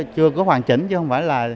chưa có hoàn chỉnh chứ không phải